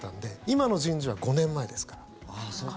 今の人事は５年前ですから。